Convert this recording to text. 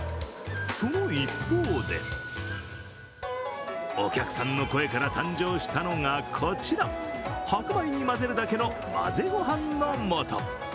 その一方で、お客さんの声から誕生したのがこちら、白米に混ぜるだけの混ぜご飯の素。